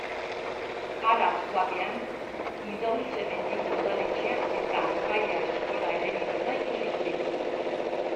Harat joatean, Idauze-Mendiko udaletxea eta Arbailla eskola elebiduna ikusiko ditugu.